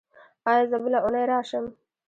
ایا زه بله اونۍ راشم؟